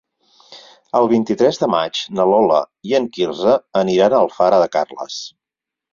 El vint-i-tres de maig na Lola i en Quirze aniran a Alfara de Carles.